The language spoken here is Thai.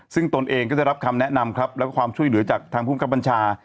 ซึ่งตนเองก็ได้รับคำแนะนำครับแล้วก็ความช่วยเหลือจากทางภูมิกับบัญชา